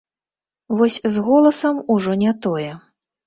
Вось з голасам ужо не тое.